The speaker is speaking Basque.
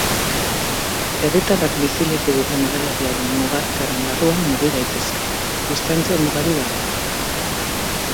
Herritarrak bizileku duten udalerriaren mugartearen barruan mugi daitezke, distantzia-mugarik gabe.